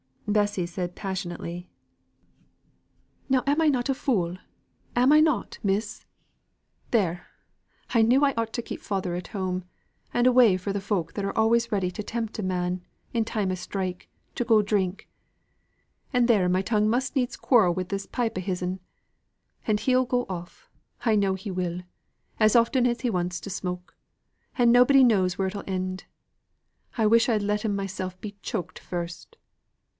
Bessy said passionately, "Now am not I a fool, am I not, Miss? there, I knew I ought for to keep father at home, and away fro' the folk that are always ready for to tempt a man, in time o' strike, to go drink, and there my tongue must needs quarrel with this pipe o' his'n and he'll go off, I know he will, as often as he wants to smoke and nobody knows where it'll end. I wish I'd letten myself be choked first."